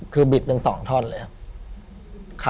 คือบิดเป็น๒ท่อนเลยครับ